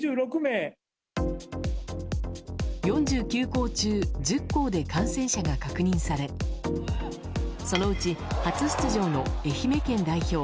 ４９校中１０校で感染者が確認されそのうち初出場の愛媛県代表